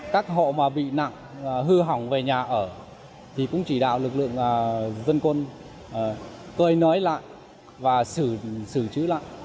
các hộ mà bị nặng hư hỏng về nhà ở thì cũng chỉ đạo lực lượng dân quân cơi nới lại và xử trữ lại